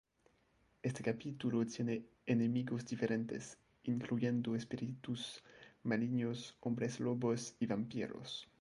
Este capítulo tiene enemigos diferentes, incluyendo espíritus malignos, hombres lobos, y vampiros.